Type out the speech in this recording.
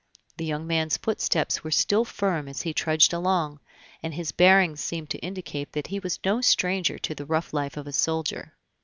The young man's footsteps were still firm as he trudged along, and his bearing seemed to indicate that he was no stranger to the rough life of a soldier.